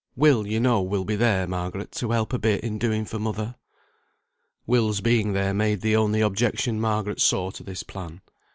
Will, you know, will be there, Margaret, to help a bit in doing for mother." Will's being there made the only objection Margaret saw to this plan.